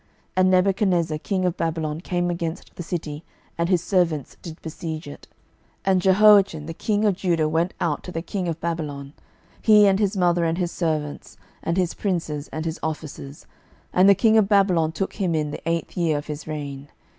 12:024:011 And Nebuchadnezzar king of Babylon came against the city, and his servants did besiege it. 12:024:012 And Jehoiachin the king of Judah went out to the king of Babylon, he, and his mother, and his servants, and his princes, and his officers: and the king of Babylon took him in the eighth year of his reign.